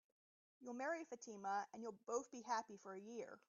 You'll marry Fatima, and you'll both be happy for a year.